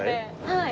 はい。